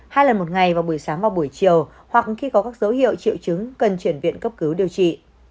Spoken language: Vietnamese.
hai lần một ngày vào buổi sáng và buổi chiều hoặc khi có các dấu hiệu triệu chứng cần chuyển viện cấp cứu điều trị